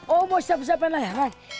oh mau siap siapin layar kan